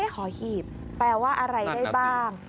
หอหีบแปลว่าอะไรได้บ้าง